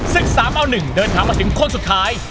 ศึกสามเอาหนึ่งเดินทางมาถึงคนสุดท้าย